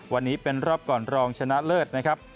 วันนี้เป็นรอบก่อนรองชนะเลิศนะครับ